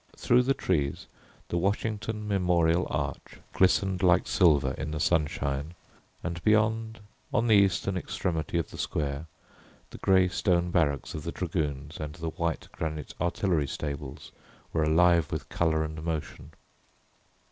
Through the trees, the Washington Memorial Arch glistened like silver in the sunshine, and beyond, on the eastern extremity of the square the grey stone barracks of the dragoons, and the white granite artillery stables were alive with colour and motion.